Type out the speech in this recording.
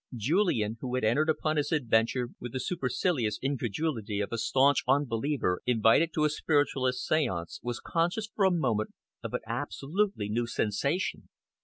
Julian, who had entered upon his adventure with the supercilious incredulity of a staunch unbeliever invited to a spiritualist's seance, was conscious for a moment of an absolutely new sensation.